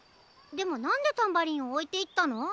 でもなんでタンバリンをおいていったの？